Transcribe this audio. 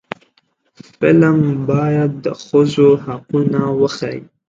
فلم باید د ښځو حقونه وښيي